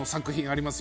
あります